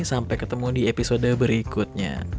sampai ketemu di episode berikutnya